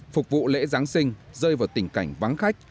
phục vụ lễ giáng sinh rơi vào tình cảnh vắng khách